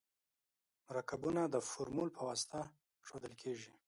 مرکبونه د فورمول په واسطه ښودل کیږي.